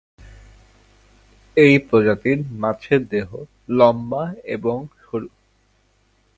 এই প্রজাতির মাছের দেহ লম্বা এবং সরু।